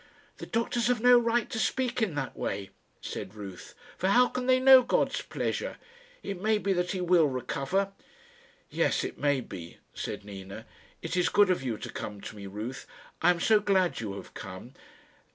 "The doctors have no right to speak in that way," said Ruth, "for how can they know God's pleasure? It may be that he will recover." "Yes; it may be," said Nina. "It is good of you to come to me, Ruth. I am so glad you have come.